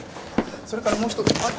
それからもう一つ。